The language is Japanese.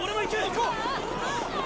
行こう！